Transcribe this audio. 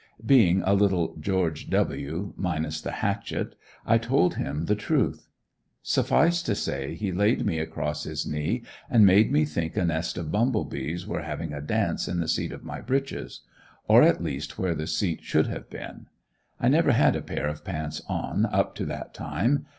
Being a little George W., minus the hatchet, I told him the truth. Suffice to say he laid me across his knee and made me think a nest of bumble bees were having a dance in the seat of my breeches or at least where the seat should have been. I never had a pair of pants on up to that time.